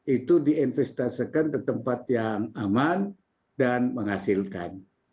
itu diinvestasikan ke tempat yang aman dan menghasilkan